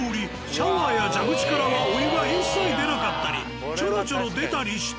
シャワーや蛇口からはお湯が一切出なかったりチョロチョロ出たりした。